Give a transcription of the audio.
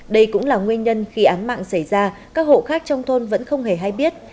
đây cũng là nguyên nhân khi ám mạng xảy ra các hộ khác trong thôn vẫn không hề hay biết